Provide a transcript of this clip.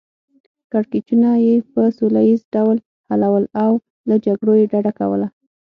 کړکیچونه یې په سوله ییز ډول حلول او له جګړو یې ډډه کوله.